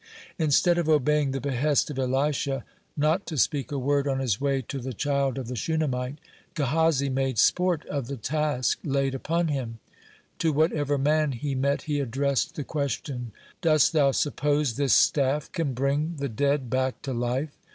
Instead of obeying the behest of Elisha, not to speak a word on his way to the child of the Shunammite, Gehazi made sport of the task laid upon him. To whatever man he met he addressed the questions: "Dost thou suppose this staff can bring the dead back to life?"